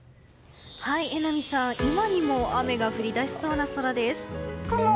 榎並さん、今にも雨が降り出しそうな空です。